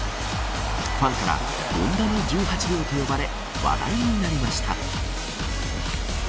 ファンから権田の１８秒と呼ばれ話題になりました。